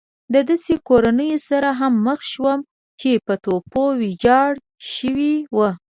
له داسې کورونو سره هم مخ شوم چې په توپو ويجاړ شوي وو.